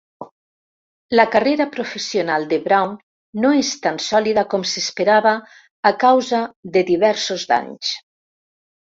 La carrera professional de Brown no és tan sòlida com s'esperava a causa de diversos danys.